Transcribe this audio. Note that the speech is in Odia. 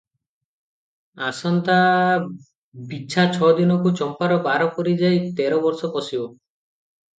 ଆସନ୍ତା ବିଛା ଛ ଦିନକୁ ଚମ୍ପାର ବାର ପୁରି ଯାଇ ତେର ବର୍ଷ ପଶିବ ।